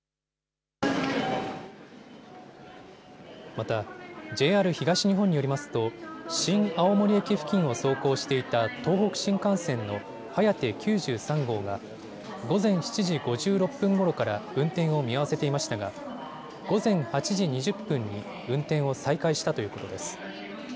またＪＲ東日本によりますと新青森駅付近を走行していた東北新幹線のはやて９３号が午前７時５６分ごろから運転を見合わせていましたが午前８時２０分に運転を再開したということです。